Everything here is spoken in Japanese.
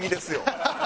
ハハハ！